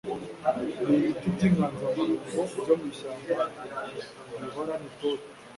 nibiti byinganzamarumbo byo mw ishyamba bihoranitoto